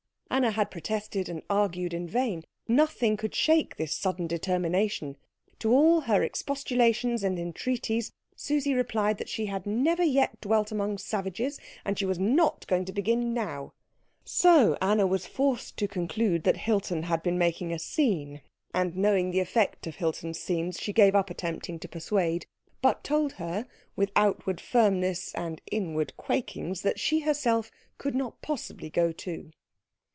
Anna had protested and argued in vain; nothing could shake this sudden determination. To all her expostulations and entreaties Susie replied that she had never yet dwelt among savages and she was not going to begin now; so Anna was forced to conclude that Hilton had been making a scene, and knowing the effect of Hilton's scenes she gave up attempting to persuade, but told her with outward firmness and inward quakings that she herself could not possibly go too.